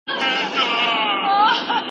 ازمویني بې لوستلو نه ورکول کېږي.